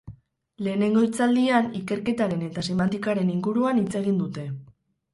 Lehenengo hitzaldian ikerketaren eta semantikaren inguruan hitz egin dute.